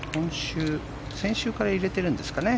先週から入れてるんですかね。